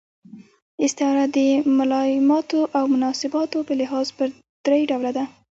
استعاره د ملایماتو او مناسباتو په لحاظ پر درې ډوله ده.